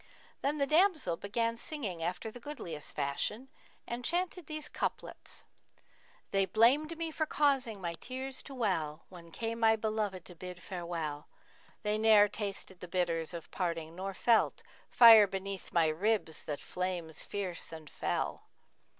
Then the damsel began singing after the goodliest fashion and chanted these couplets, 'They blamed me for causing my tears to well * When came my beloved to bid farewell: They ne'er tasted the bitters of parting nor felt * Fire beneath my ribs that flames fierce and fell!